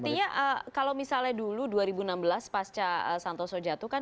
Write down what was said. artinya kalau misalnya dulu dua ribu enam belas pasca santoso jatuh kan